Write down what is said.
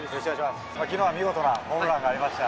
きのうは見事なホームランがありました。